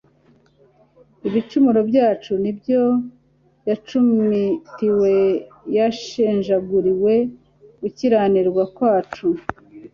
Ibicumuro byacu ni byo yacumitiwe yashenjaguriwe gukiranirwa kwacu